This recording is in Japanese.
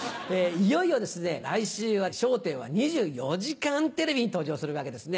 いよいよ来週は『笑点』は『２４時間テレビ』に登場するわけですね。